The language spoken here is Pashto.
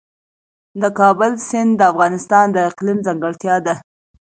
د کابل سیند د افغانستان د اقلیم ځانګړتیا ده.